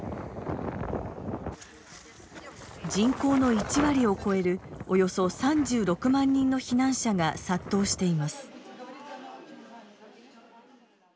人口の１割を超えるおよそ３６万人の避難者が殺到しています。